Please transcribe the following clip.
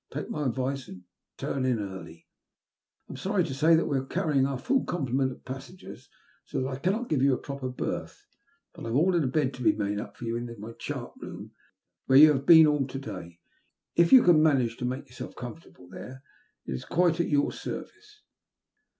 Take my advice and turn in early. I'm sorry to say we're carrying our full complement of passengers, so that I cannot give you a proper berth; but I've ordered a bed to be made up for you in my chart room, where you have been all day to day. If you can manage to make yourself comfortable there it is quite at your service."